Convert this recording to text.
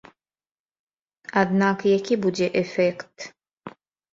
Аднак які будзе эфект?